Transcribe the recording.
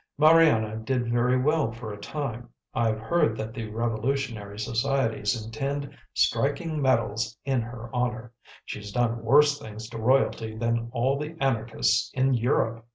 Mariana did very well for a time. I've heard that the revolutionary societies intend striking medals in her honour: she's done worse things to royalty than all the anarchists in Europe!